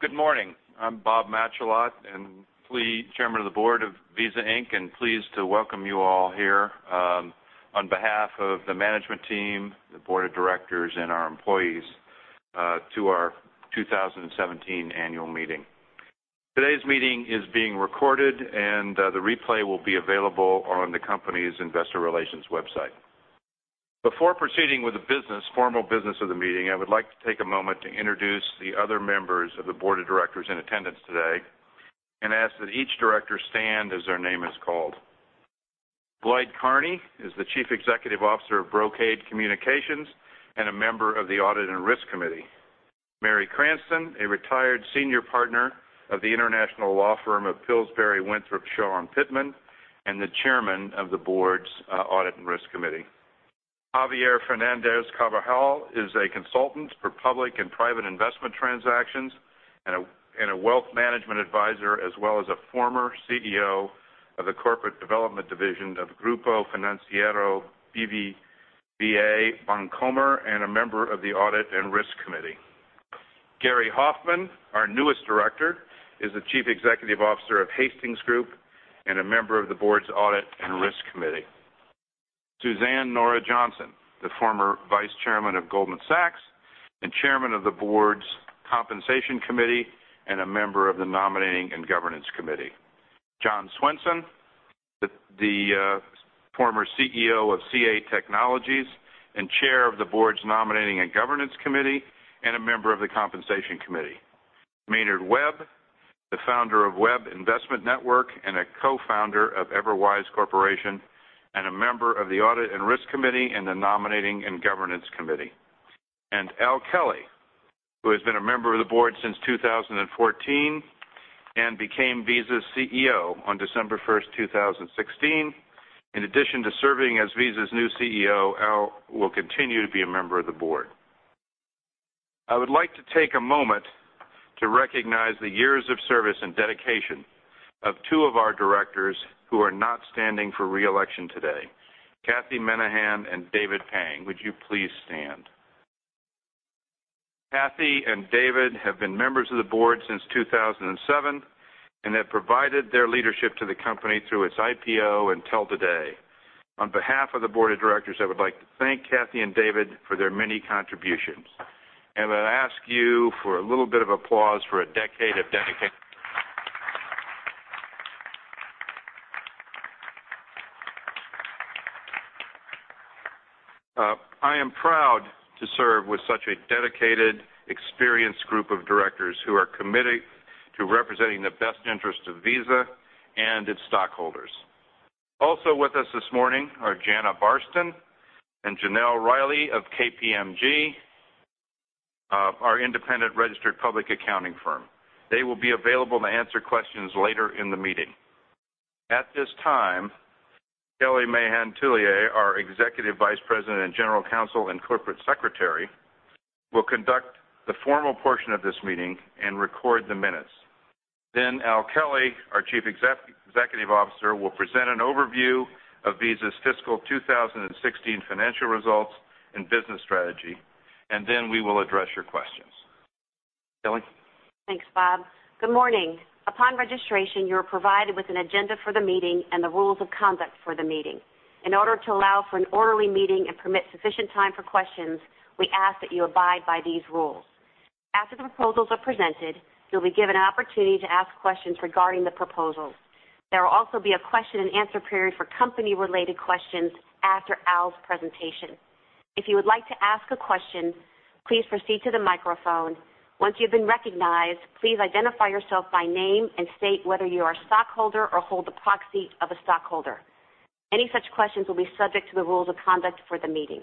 Good morning. I'm Bob Matschullat, Chairman of the Board of Visa Inc., and pleased to welcome you all here on behalf of the management team, the Board of Directors, and our employees to our 2017 annual meeting. Today's meeting is being recorded, and the replay will be available on the company's investor relations website. Before proceeding with the formal business of the meeting, I would like to take a moment to introduce the other members of the Board of Directors in attendance today and ask that each director stand as their name is called. Lloyd Carney is the Chief Executive Officer of Brocade Communications and a member of the Audit and Risk Committee. Mary Cranston, a retired senior partner of the international law firm of Pillsbury Winthrop Shaw Pittman, and the Chairman of the Board's Audit and Risk Committee. Javier Fernández-Carbajal is a consultant for public and private investment transactions and a wealth management advisor, as well as a former CEO of the Corporate Development Division of Grupo Financiero BBVA Bancomer, and a member of the Audit and Risk Committee. Gary Hoffman, our newest director, is the Chief Executive Officer of Hastings Group and a member of the Board's Audit and Risk Committee. Suzanne Nora Johnson, the former Vice Chairman of Goldman Sachs and Chairman of the Board's Compensation Committee and a member of the Nominating and Governance Committee. John Swainson, the former CEO of CA Technologies and Chair of the Board's Nominating and Governance Committee, and a member of the Compensation Committee. Maynard Webb, the founder of Webb Investment Network and a co-founder of Everwise Corporation, and a member of the Audit and Risk Committee and the Nominating and Governance Committee. Al Kelly, who has been a member of the Board since 2014 and became Visa's CEO on December 1, 2016. In addition to serving as Visa's new CEO, Al will continue to be a member of the Board. I would like to take a moment to recognize the years of service and dedication of two of our directors who are not standing for re-election today. Kathy Minehan and David Pang, would you please stand? Kathy and David have been members of the Board since 2007 and have provided their leadership to the company through its IPO until today. On behalf of the Board of Directors, I would like to thank Kathy and David for their many contributions. I'd ask you for a little bit of applause for a decade of dedication. I am proud to serve with such a dedicated, experienced group of directors who are committed to representing the best interest of Visa and its stockholders. Also with us this morning are Jana Barsten and Janelle Riley of KPMG, our independent registered public accounting firm. They will be available to answer questions later in the meeting. At this time, Kelly Mahon Tullier, our Executive Vice President and General Counsel and Corporate Secretary, will conduct the formal portion of this meeting and record the minutes. Al Kelly, our Chief Executive Officer, will present an overview of Visa's fiscal 2016 financial results and business strategy. We will address your questions. Kelly? Thanks, Bob. Good morning. Upon registration, you were provided with an agenda for the meeting and the rules of conduct for the meeting. In order to allow for an orderly meeting and permit sufficient time for questions, we ask that you abide by these rules. After the proposals are presented, you will be given an opportunity to ask questions regarding the proposals. There will also be a question and answer period for company-related questions after Al's presentation. If you would like to ask a question, please proceed to the microphone. Once you have been recognized, please identify yourself by name and state whether you are a stockholder or hold a proxy of a stockholder. Any such questions will be subject to the rules of conduct for the meeting.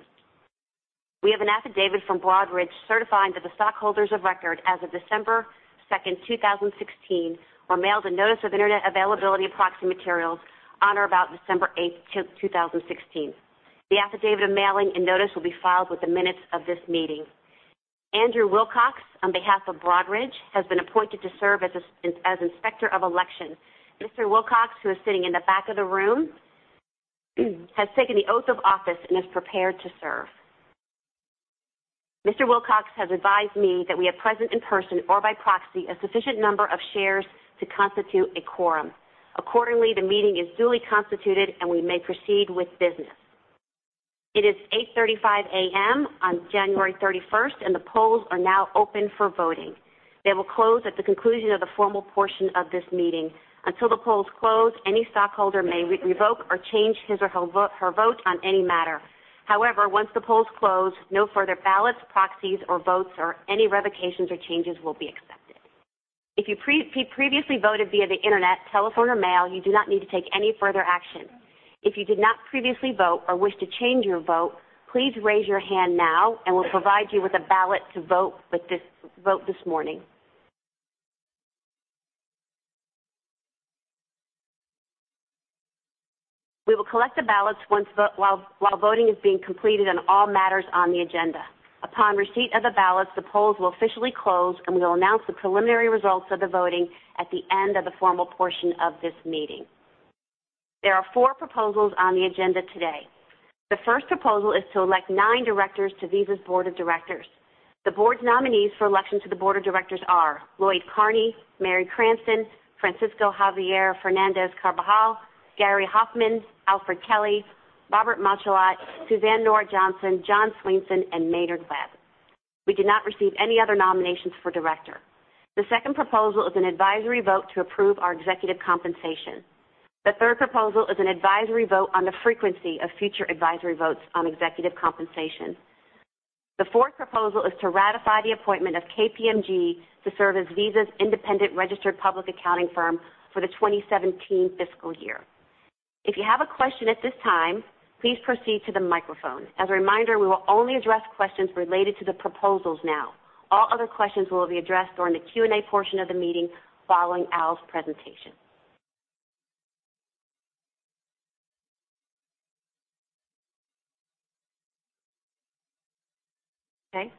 We have an affidavit from Broadridge certifying that the stockholders of record as of December 2nd, 2016, were mailed a notice of internet availability of proxy materials on or about December 8th, 2016. The affidavit of mailing and notice will be filed with the minutes of this meeting. Andrew Wilcox, on behalf of Broadridge, has been appointed to serve as Inspector of Election. Mr. Wilcox, who is sitting in the back of the room, has taken the oath of office and is prepared to serve. Mr. Wilcox has advised me that we have present in person or by proxy a sufficient number of shares to constitute a quorum. Accordingly, the meeting is duly constituted, and we may proceed with business. It is 8:35 A.M. on January 31st, and the polls are now open for voting. They will close at the conclusion of the formal portion of this meeting. Until the polls close, any stockholder may revoke or change his or her vote on any matter. However, once the polls close, no further ballots, proxies, or votes or any revocations or changes will be accepted. If you previously voted via the internet, telephone, or mail, you do not need to take any further action. If you did not previously vote or wish to change your vote, please raise your hand now, and we will provide you with a ballot to vote this morning. We will collect the ballots while voting is being completed on all matters on the agenda. Upon receipt of the ballots, the polls will officially close, and we will announce the preliminary results of the voting at the end of the formal portion of this meeting. There are four proposals on the agenda today. The first proposal is to elect nine directors to Visa's board of directors. The board's nominees for election to the board of directors are Lloyd Carney, Mary Cranston, Francisco Javier Fernández-Carbajal, Gary Hoffman, Alfred Kelly, Robert Matschullat, Suzanne Nora Johnson, John Swainson, and Maynard Webb. We did not receive any other nominations for director. The second proposal is an advisory vote to approve our executive compensation. The third proposal is an advisory vote on the frequency of future advisory votes on executive compensation. The fourth proposal is to ratify the appointment of KPMG to serve as Visa's independent registered public accounting firm for the 2017 fiscal year. If you have a question at this time, please proceed to the microphone. As a reminder, we will only address questions related to the proposals now. All other questions will be addressed during the Q&A portion of the meeting following Al's presentation. Okay.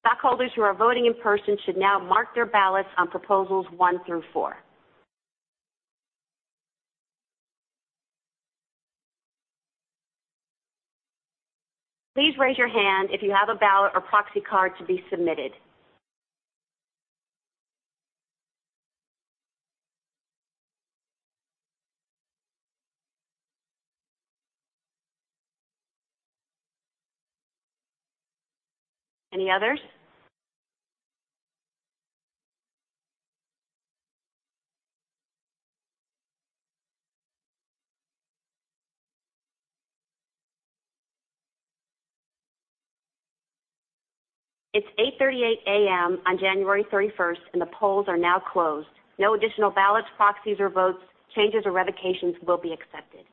Stockholders who are voting in person should now mark their ballots on proposals one through four. Please raise your hand if you have a ballot or proxy card to be submitted. Any others? It's 8:38 A.M. on January 31st, and the polls are now closed. No additional ballots, proxies, or votes, changes, or revocations will be accepted.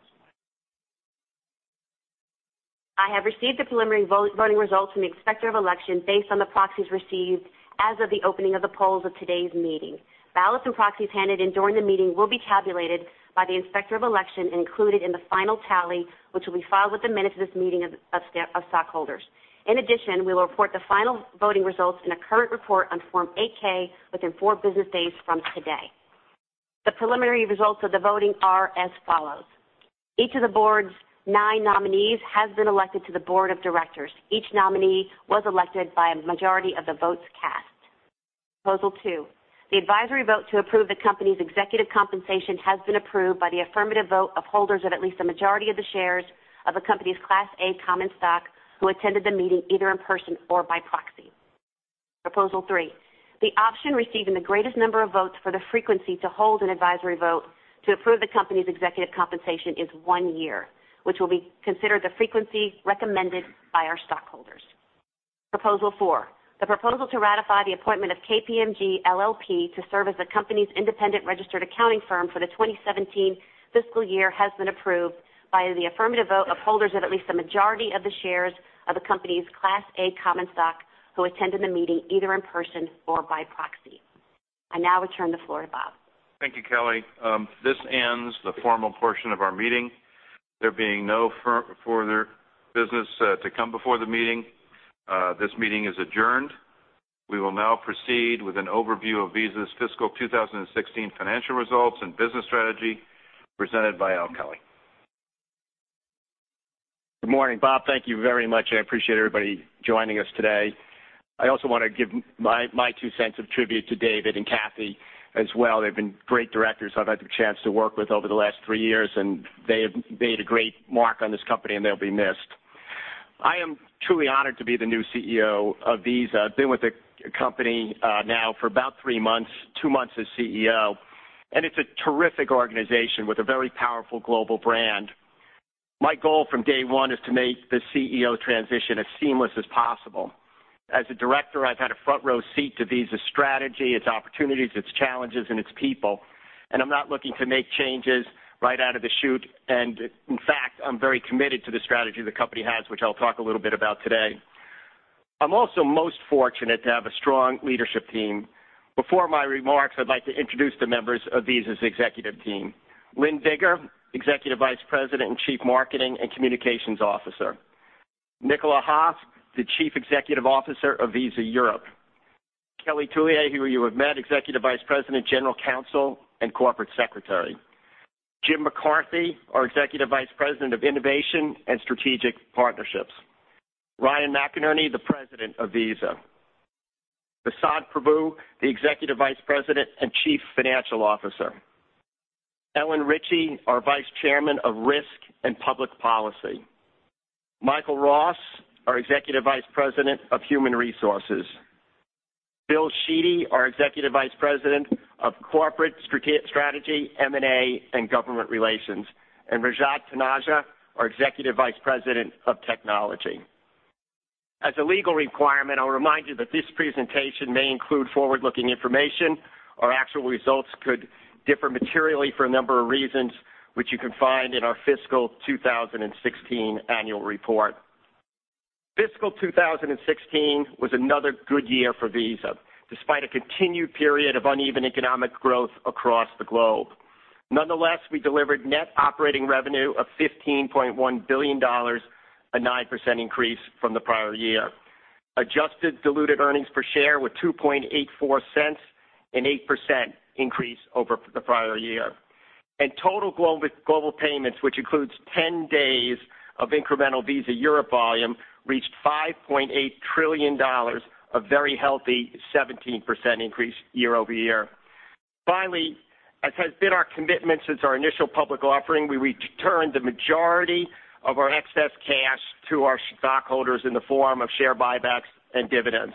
I have received the preliminary voting results from the Inspector of Election based on the proxies received as of the opening of the polls of today's meeting. Ballots and proxies handed in during the meeting will be tabulated by the Inspector of Election and included in the final tally, which will be filed with the minutes of this meeting of stockholders. In addition, we will report the final voting results in a current report on Form 8-K within four business days from today. The preliminary results of the voting are as follows. Each of the board's nine nominees has been elected to the board of directors. Each nominee was elected by a majority of the votes cast. Proposal two, the advisory vote to approve the company's executive compensation has been approved by the affirmative vote of holders of at least a majority of the shares of the company's Class A common stock, who attended the meeting either in person or by proxy. Proposal three, the option receiving the greatest number of votes for the frequency to hold an advisory vote to approve the company's executive compensation is one year, which will be considered the frequency recommended by our stockholders. Proposal four, the proposal to ratify the appointment of KPMG LLP to serve as the company's independent registered accounting firm for the 2017 fiscal year has been approved by the affirmative vote of holders of at least a majority of the shares of the company's Class A common stock, who attended the meeting either in person or by proxy. I now return the floor to Bob. Thank you, Kelly. This ends the formal portion of our meeting. There being no further business to come before the meeting, this meeting is adjourned. We will now proceed with an overview of Visa's fiscal 2016 financial results and business strategy presented by Al Kelly. Good morning, Bob. Thank you very much. I appreciate everybody joining us today. I also want to give my two cents of tribute to David and Kathy as well. They've been great directors I've had the chance to work with over the last three years, and they have made a great mark on this company, and they'll be missed. I am truly honored to be the new CEO of Visa. I've been with the company now for about three months, two months as CEO, and it's a terrific organization with a very powerful global brand. My goal from day one is to make the CEO transition as seamless as possible. As a director, I've had a front row seat to Visa's strategy, its opportunities, its challenges, and its people. I'm not looking to make changes right out of the chute. In fact, I'm very committed to the strategy the company has, which I'll talk a little bit about today. I'm also most fortunate to have a strong leadership team. Before my remarks, I'd like to introduce the members of Visa's Executive Team. Lynne Biggar, Executive Vice President and Chief Marketing and Communications Officer. Nicolas Huss, the Chief Executive Officer of Visa Europe. Kelly Tullier, who you have met, Executive Vice President, General Counsel, and Corporate Secretary. Jim McCarthy, our Executive Vice President of Innovation and Strategic Partnerships. Ryan McInerney, the President of Visa. Vasant Prabhu, the Executive Vice President and Chief Financial Officer. Ellen Richey, our Vice Chairman of Risk and Public Policy. Michael Ross, our Executive Vice President of Human Resources. Bill Sheedy, our Executive Vice President of Corporate Strategy, M&A, and Government Relations. Rajat Taneja, our Executive Vice President of Technology. As a legal requirement, I'll remind you that this presentation may include forward-looking information. Our actual results could differ materially for a number of reasons, which you can find in our fiscal 2016 annual report. Fiscal 2016 was another good year for Visa, despite a continued period of uneven economic growth across the globe. Nonetheless, we delivered net operating revenue of $15.1 billion, a 9% increase from the prior year. Adjusted diluted earnings per share were $2.84, an 8% increase over the prior year. Total global payments, which includes 10 days of incremental Visa Europe volume, reached $5.8 trillion, a very healthy 17% increase year-over-year. Finally, as has been our commitment since our initial public offering, we returned the majority of our excess cash to our stockholders in the form of share buybacks and dividends.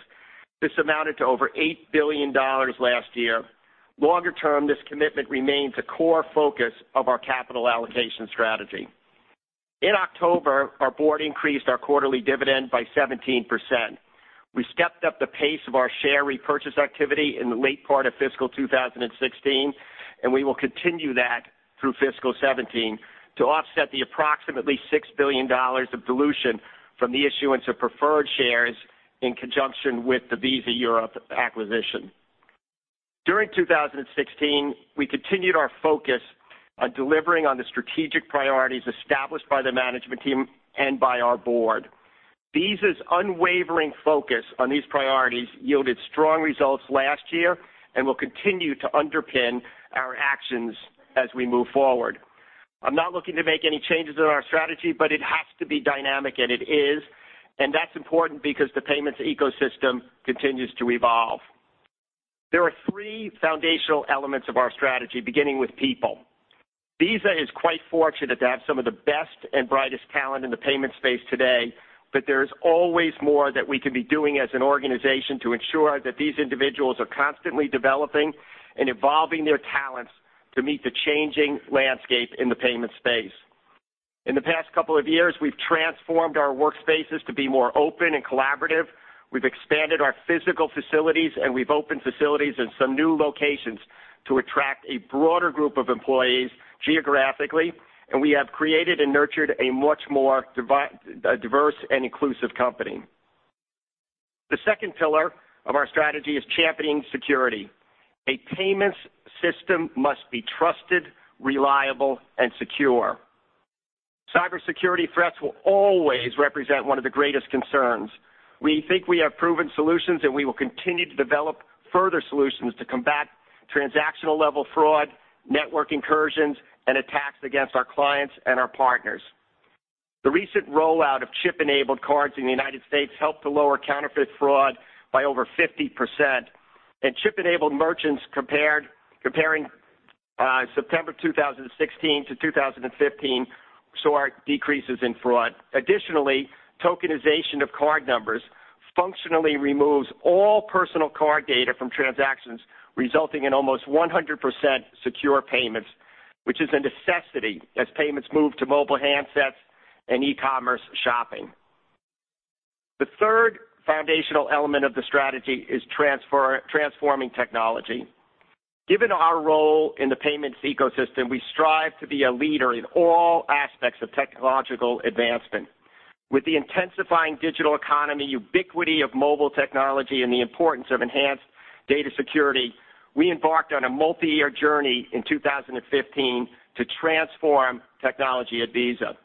This amounted to over $8 billion last year. Longer term, this commitment remains a core focus of our capital allocation strategy. In October, our board increased our quarterly dividend by 17%. We stepped up the pace of our share repurchase activity in the late part of fiscal 2016, we will continue that through fiscal 2017 to offset the approximately $6 billion of dilution from the issuance of preferred shares in conjunction with the Visa Europe acquisition. During 2016, we continued our focus on delivering on the strategic priorities established by the management team and by our board. Visa's unwavering focus on these priorities yielded strong results last year and will continue to underpin our actions as we move forward. I'm not looking to make any changes in our strategy, but it has to be dynamic, and it is. That's important because the payments ecosystem continues to evolve. There are three foundational elements of our strategy, beginning with people. Visa is quite fortunate to have some of the best and brightest talent in the payments space today, but there is always more that we can be doing as an organization to ensure that these individuals are constantly developing and evolving their talents to meet the changing landscape in the payments space. We have transformed our workspaces to be more open and collaborative. We've expanded our physical facilities, and we've opened facilities in some new locations to attract a broader group of employees geographically. We have created and nurtured a much more diverse and inclusive company. The second pillar of our strategy is championing security. A payments system must be trusted, reliable, and secure. Cybersecurity threats will always represent one of the greatest concerns. We think we have proven solutions, and we will continue to develop further solutions to combat transactional-level fraud, network incursions, and attacks against our clients and our partners. The recent rollout of chip-enabled cards in the United States helped to lower counterfeit fraud by over 50%, and chip-enabled merchants comparing September 2016 to 2015 saw decreases in fraud. Additionally, tokenization of card numbers functionally removes all personal card data from transactions, resulting in almost 100% secure payments, which is a necessity as payments move to mobile handsets and e-commerce shopping. The third foundational element of the strategy is transforming technology. Given our role in the payments ecosystem, we strive to be a leader in all aspects of technological advancement. With the intensifying digital economy, ubiquity of mobile technology, and the importance of enhanced data security, we embarked on a multi-year journey in 2015 to transform technology at Visa.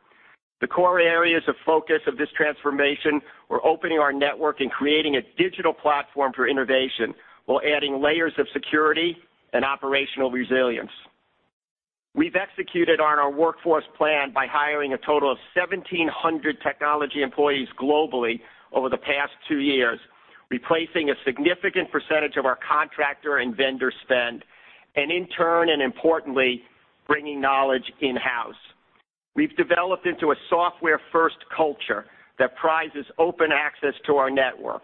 The core areas of focus of this transformation were opening our network and creating a digital platform for innovation while adding layers of security and operational resilience. We've executed on our workforce plan by hiring a total of 1,700 technology employees globally over the past two years, replacing a significant percentage of our contractor and vendor spend, and in turn, and importantly, bringing knowledge in-house. We've developed into a software-first culture that prizes open access to our network.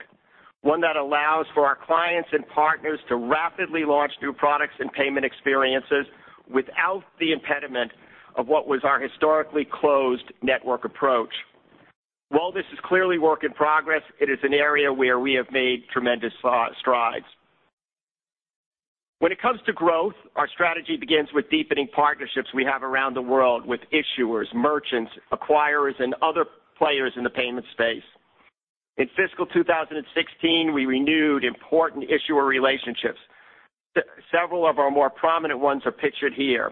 One that allows for our clients and partners to rapidly launch new products and payment experiences without the impediment of what was our historically closed network approach. While this is clearly a work in progress, it is an area where we have made tremendous strides. When it comes to growth, our strategy begins with deepening partnerships we have around the world with issuers, merchants, acquirers, and other players in the payments space. In fiscal 2016, we renewed important issuer relationships. Several of our more prominent ones are pictured here.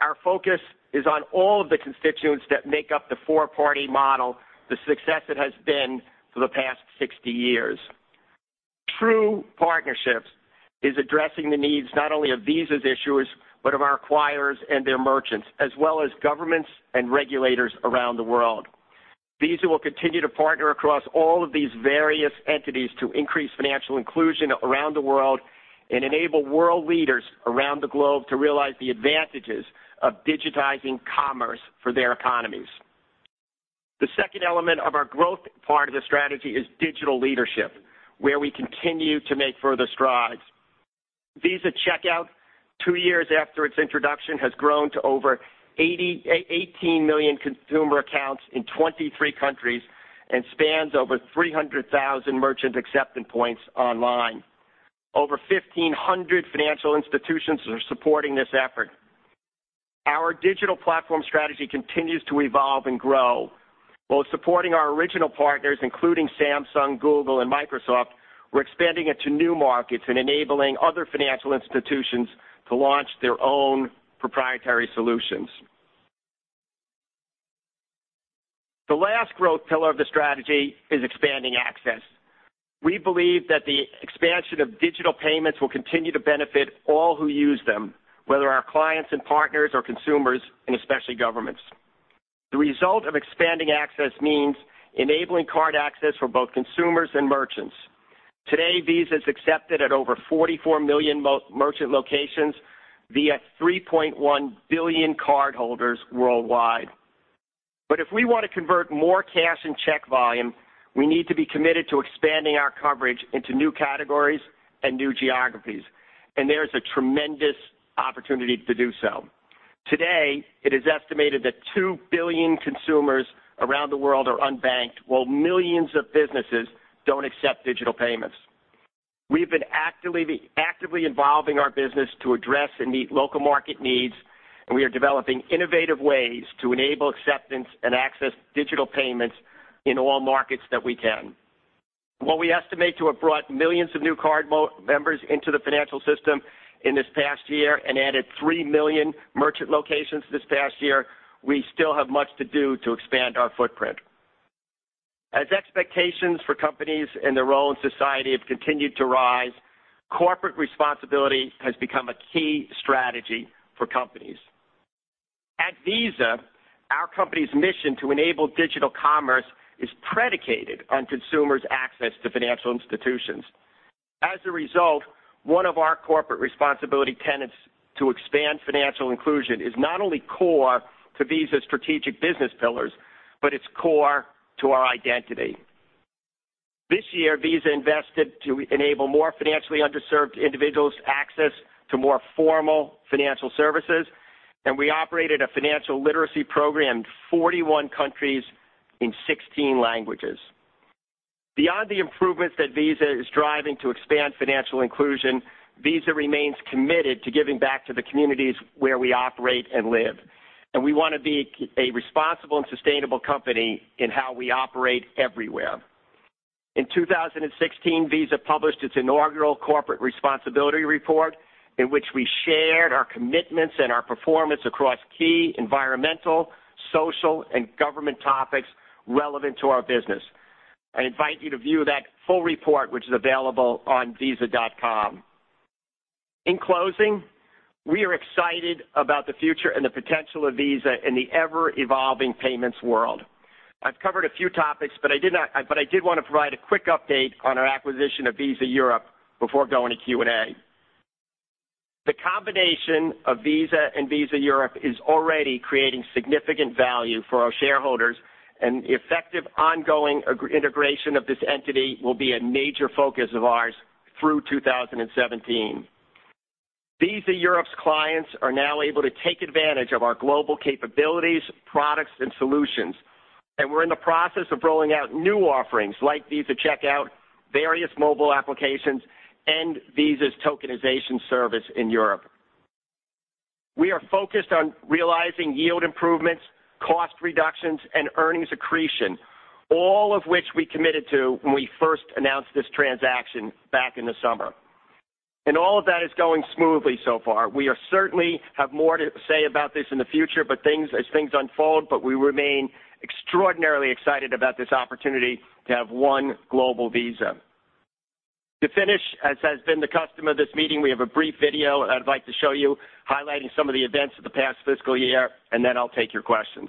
Our focus is on all of the constituents that make up the four-party model, the success it has been for the past 60 years. True partnerships is addressing the needs not only of Visa's issuers, but of our acquirers and their merchants, as well as governments and regulators around the world. Visa will continue to partner across all of these various entities to increase financial inclusion around the world and enable world leaders around the globe to realize the advantages of digitizing commerce for their economies. The second element of our growth part of the strategy is digital leadership, where we continue to make further strides. Visa Checkout, two years after its introduction, has grown to over 18 million consumer accounts in 23 countries and spans over 300,000 merchant acceptance points online. Over 1,500 financial institutions are supporting this effort. Our digital platform strategy continues to evolve and grow. While supporting our original partners, including Samsung, Google, and Microsoft, we're expanding it to new markets and enabling other financial institutions to launch their own proprietary solutions. The last growth pillar of the strategy is expanding access. We believe that the expansion of digital payments will continue to benefit all who use them, whether our clients and partners or consumers, and especially governments. The result of expanding access means enabling card access for both consumers and merchants. Today, Visa is accepted at over 44 million merchant locations via 3.1 billion cardholders worldwide. If we want to convert more cash and check volume, we need to be committed to expanding our coverage into new categories and new geographies, there is a tremendous opportunity to do so. Today, it is estimated that 2 billion consumers around the world are unbanked, while millions of businesses don't accept digital payments. We've been actively involving our business to address and meet local market needs, we are developing innovative ways to enable acceptance and access digital payments in all markets that we can. While we estimate to have brought millions of new card members into the financial system in this past year and added 3 million merchant locations this past year, we still have much to do to expand our footprint. As expectations for companies and their role in society have continued to rise, corporate responsibility has become a key strategy for companies. At Visa, our company's mission to enable digital commerce is predicated on consumers' access to financial institutions. One of our corporate responsibility tenets to expand financial inclusion is not only core to Visa's strategic business pillars, but it's core to our identity. This year, Visa invested to enable more financially underserved individuals access to more formal financial services, we operated a financial literacy program in 41 countries in 16 languages. Beyond the improvements that Visa is driving to expand financial inclusion, Visa remains committed to giving back to the communities where we operate and live, we want to be a responsible and sustainable company in how we operate everywhere. In 2016, Visa published its inaugural corporate responsibility report, in which we shared our commitments and our performance across key environmental, social, and government topics relevant to our business. I invite you to view that full report, which is available on visa.com. In closing, we are excited about the future and the potential of Visa in the ever-evolving payments world. I've covered a few topics, I did want to provide a quick update on our acquisition of Visa Europe before going to Q&A. The combination of Visa and Visa Europe is already creating significant value for our shareholders, the effective ongoing integration of this entity will be a major focus of ours through 2017. Visa Europe's clients are now able to take advantage of our global capabilities, products, and solutions, we're in the process of rolling out new offerings like Visa Checkout, various mobile applications, and Visa's tokenization service in Europe. We are focused on realizing yield improvements, cost reductions, and earnings accretion, all of which we committed to when we first announced this transaction back in the summer. All of that is going smoothly so far. We certainly have more to say about this in the future as things unfold, we remain extraordinarily excited about this opportunity to have one global Visa. To finish, as has been the custom of this meeting, we have a brief video I'd like to show you, highlighting some of the events of the past fiscal year, and then I'll take your questions.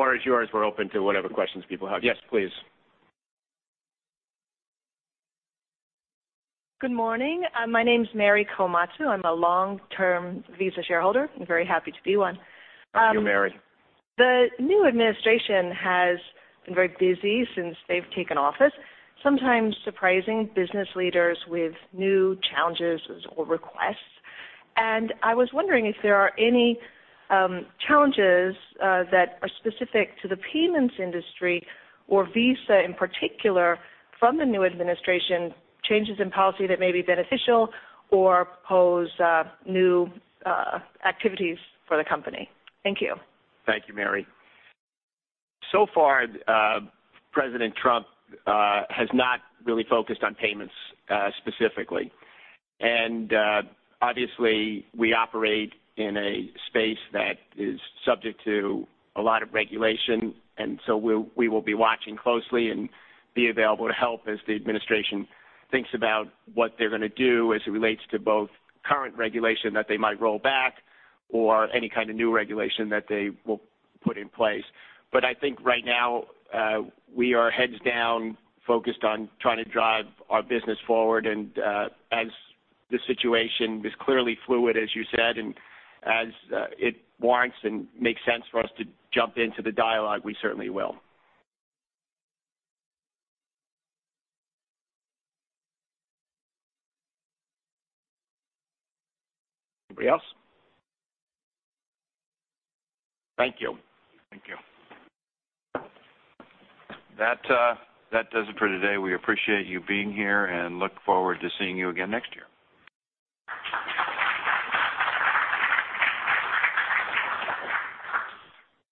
The floor is yours. We're open to whatever questions people have. Yes, please. Good morning. My name's Mary Komatsu. I'm a long-term Visa shareholder, very happy to be one. Thank you, Mary. The new administration has been very busy since they've taken office, sometimes surprising business leaders with new challenges or requests. I was wondering if there are any challenges that are specific to the payments industry or Visa in particular from the new administration, changes in policy that may be beneficial or pose new activities for the company. Thank you. Thank you, Mary. So far, President Trump has not really focused on payments specifically. Obviously, we operate in a space that is subject to a lot of regulation. We will be watching closely and be available to help as the administration thinks about what they're going to do as it relates to both current regulation that they might roll back or any kind of new regulation that they will put in place. I think right now, we are heads down, focused on trying to drive our business forward. As the situation is clearly fluid, as you said, and as it warrants and makes sense for us to jump into the dialogue, we certainly will. Anybody else? Thank you. Thank you. That does it for today. We appreciate you being here and look forward to seeing you again next year.